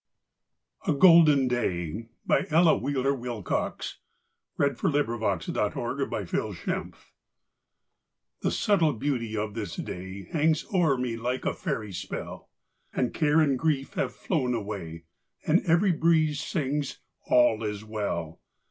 A Golden Day An Ella Wheeler Wilcox Poem A GOLDEN DAY The subtle beauty of this day Hangs o'er me like a fairy spell, And care and grief have flown away, And every breeze sings, "All is well."